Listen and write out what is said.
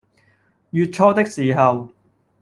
月初的時候